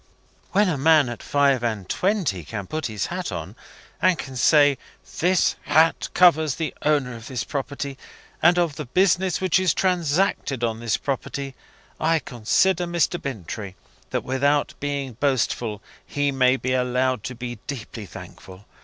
"When a man at five and twenty can put his hat on, and can say 'this hat covers the owner of this property and of the business which is transacted on this property,' I consider, Mr. Bintrey, that, without being boastful, he may be allowed to be deeply thankful.